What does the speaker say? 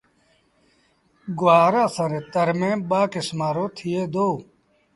گُوآر اسآݩ ري تر ميݩ ٻآ ڪسمآݩ رو ٿئي دو۔